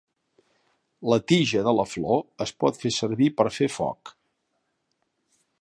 La tija de la flor es pot fer servir per fer foc.